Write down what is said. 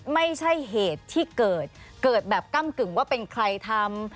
ไม่ใช่เหตุที่เกิดเกิดแบบก้ำกึ่งว่าเป็นใครทำ